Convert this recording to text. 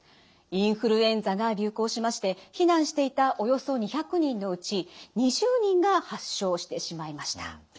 インフルエンザが流行しまして避難していたおよそ２００人のうち２０人が発症してしまいました。